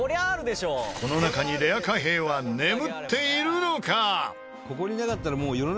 この中にレア貨幣は眠っているのか？